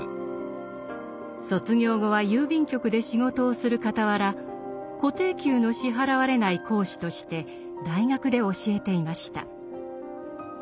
卒業後は郵便局で仕事をするかたわら固定給の支払われない講師として大学で教えていました。